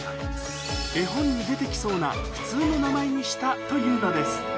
絵本に出てきそうな普通の名前にしたというのです。